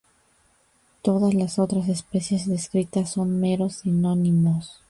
Todas las otras especies descritas son meros sinónimos